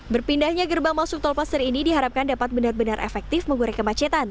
berpindahnya gerbang masuk tol paster ini diharapkan dapat benar benar efektif menggoreng kemacetan